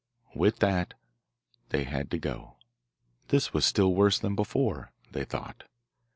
With that they had to go. This was still worse than before, they thought.